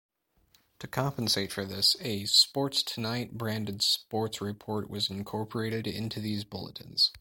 To compensate for this, a "Sports Tonight"-branded sports report was incorporated into these bulletins.